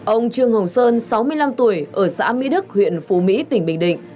ông trương hồng sơn sáu mươi năm tuổi ở xã mỹ đức huyện phú mỹ tỉnh bình định